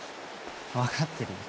分かってるよ。